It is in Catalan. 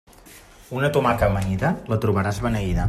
Una tomaca amanida, la trobaràs beneïda.